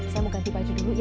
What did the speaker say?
saya mau ganti baju dulu